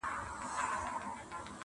هر یوه چي مي په مخ کي پورته سر کړ-